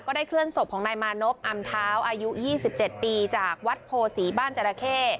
ก็ได้เคลื่อนศพของนายมานพอำเท้าอายุยี่สิบเจ็ดปีจากวัดโพศีบ้านจรเข้